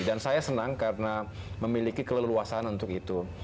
dan saya senang karena memiliki keleluasan untuk itu